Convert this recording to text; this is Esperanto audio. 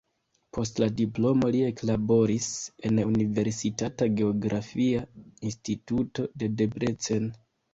Post la diplomo li eklaboris en universitata geografia instituto de Debrecen.